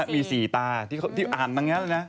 มี๔ตาที่อ่านตรงเนี้ยเลยนะ